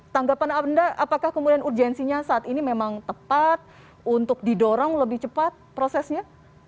tanggapan anda apakah kemudian urgensinya saat ini memang tepat untuk didorong lebih cepat prosesnya